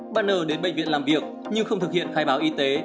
bn đến bệnh viện làm việc nhưng không thực hiện khai báo y tế